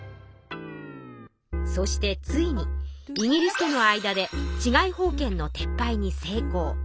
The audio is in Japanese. そしてついにイギリスとの間で治外法権の撤廃に成功。